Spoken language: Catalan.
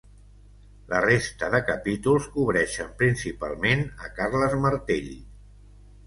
La resta de capítols cobreixen principalment a Carles Martell.